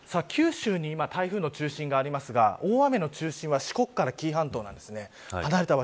九州に今台風の中心がありますが大雨の中心は四国から紀伊半島です。